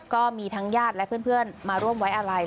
ก็มีทั้งญาติและเพื่อนมาร่วมไว้อะไร